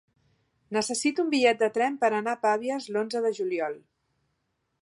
Necessito un bitllet de tren per anar a Pavies l'onze de juliol.